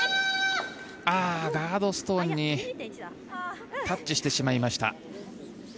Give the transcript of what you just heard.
ガードストーンにタッチしてしまいました。